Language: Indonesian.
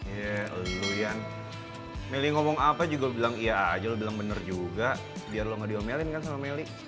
ya eluh yan melih ngomong apa juga lo bilang iya aja lo bilang bener juga biar lo gak diomelin kan sama melih